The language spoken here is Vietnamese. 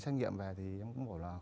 xét nghiệm về thì em cũng bảo là